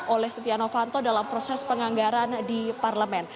oleh setia novanto dalam proses penganggaran di parlemen